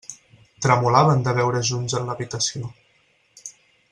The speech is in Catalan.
Tremolaven de veure's junts en l'habitació.